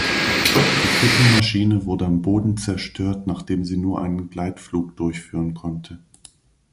Die dritte Maschine wurde am Boden zerstört, nachdem sie nur einen Gleitflug durchführen konnte.